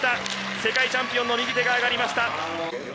世界チャンピオンの右手が上がりました。